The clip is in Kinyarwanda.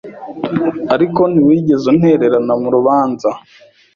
Ariko ntiwigeze untererana murubanza